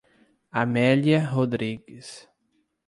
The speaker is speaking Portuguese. Amélia Rodrigues